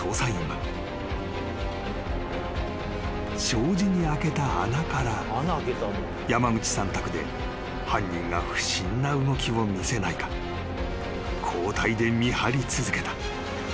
［障子に開けた穴から山口さん宅で犯人が不審な動きを見せないか交代で見張り続けた］